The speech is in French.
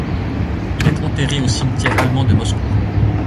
Il est enterré au cimetière allemand de Moscou.